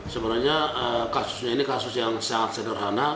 sebenarnya kasusnya ini kasus yang sangat sederhana